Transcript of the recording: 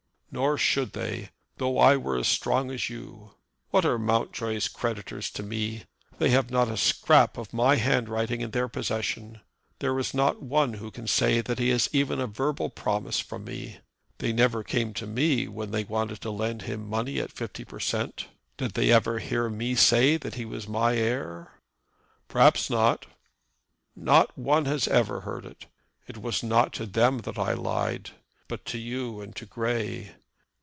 "Nor should they, though I were as strong as you. What are Mountjoy's creditors to me? They have not a scrap of my handwriting in their possession. There is not one who can say that he has even a verbal promise from me. They never came to me when they wanted to lend him money at fifty per cent. Did they ever hear me say that he was my heir?" "Perhaps not." "Not one has ever heard it. It was not to them I lied, but to you and to Grey.